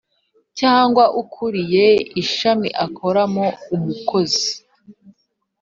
cyangwa ukuriye ishami akoramo Umukozi